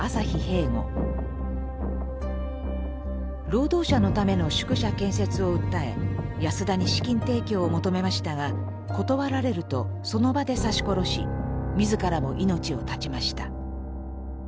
労働者のための宿舎建設を訴え安田に資金提供を求めましたが断られるとその場で刺し殺し自らも命を絶ちました。